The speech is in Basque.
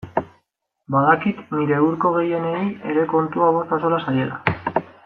Badakit nire hurko gehienei ere kontua bost axola zaiela.